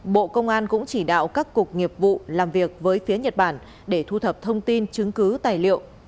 bộ công an cũng chỉ đạo các cục nghiệp vụ làm việc với phía nhật bản để thu thập thông tin chứng cứ tài liệu